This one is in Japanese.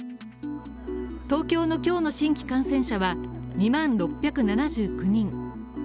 東京の今日の新規感染者は２万６７９人。